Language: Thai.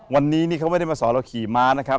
วันนี้นี่เขาไม่ได้มาสอนเราขี่ม้านะครับ